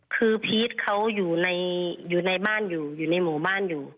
คือพีชเขาอยู่ในบ้านอยู่อยู่ในหมู่บ้านอยู่